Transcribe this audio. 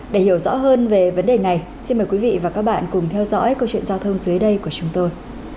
để hiểu rõ hơn về vấn đề này xin mời quý vị và các bạn cùng theo dõi câu chuyện giao thông dưới đây của chúng tôi